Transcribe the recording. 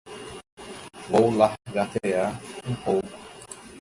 Vou lagartear um pouco